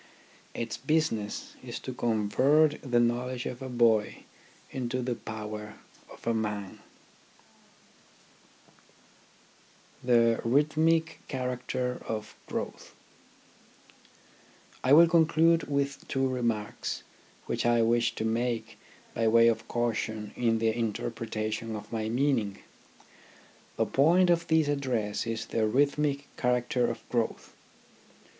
Its business is to convert the knowledge of a boy into the power of a man. THE RHYTHM OF EDUCATION 29 THE RHYTHMIC CHARACTER OF GROWTH I will conclude with two remarks which I wish to make by way of caution in the interpretation of my meaning. The point of this address is the rhythmic character of growth.